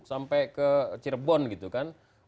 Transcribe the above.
sampai ke cirebon gitu kan